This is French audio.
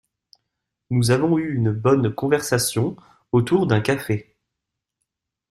Nous avons eu une bonne conversation autour d'un café.